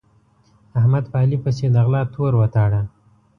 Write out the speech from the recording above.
احمد په علي پسې د غلا تور وتاړه.